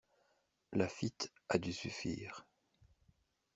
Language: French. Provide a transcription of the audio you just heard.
Laffitte a dû suffire.